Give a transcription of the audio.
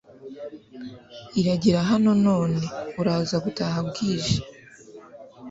iragera hano none uraza gutaha bwije